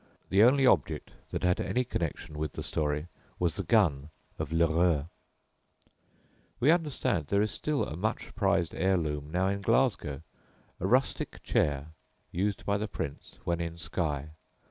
The only object that had any connection with the story was the gun of L'Heureux. We understand there is still a much prized heirloom now in Glasgow a rustic chair used by the Prince when in Skye.